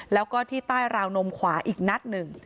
แล้วก็ที่ใต้ราวนมขวาอีกนัดหนึ่ง